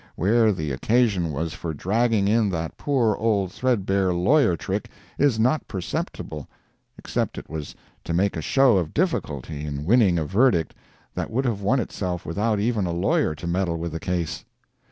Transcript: Where the occasion was for dragging in that poor old threadbare lawyer trick, is not perceptible, except it was to make a show of difficulty in winning a verdict that would have won itself without ever a lawyer to meddle with the case.